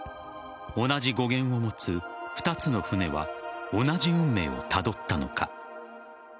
同じ語源を持つ２つの船は同じ運命をたどったのか。